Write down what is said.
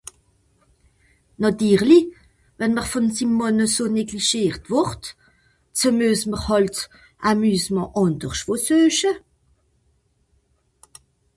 Nàtirlich, wenn m’r vùn sim Mànn eso neglischiert wùrd, ze muess m’r hàlt ’s Amusement àndersch wo sueche.